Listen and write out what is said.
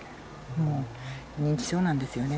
もう認知症なんですよね。